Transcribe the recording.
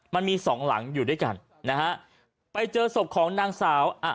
มันมีสองหลังอยู่ด้วยกันนะฮะไปเจอศพของนางสาวอ่ะ